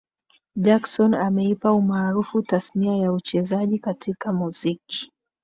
Jackson ameipa umaarufu tasnia ya uchezaji katika muziki